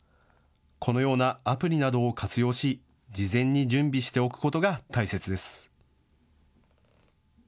このようなアプリなどを活用し事前に準備しておくことが大切です。